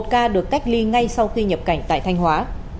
một ca được cách ly ngay sau khi nhập cảnh tại thanh hóa